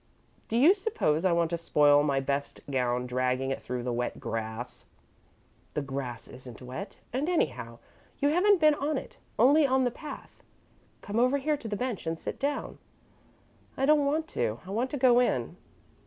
"Do you suppose I want to spoil my best gown dragging it through the wet grass?" "The grass isn't wet, and, anyhow, you haven't been on it only on the path. Come over here to the bench and sit down." "I don't want to. I want to go in."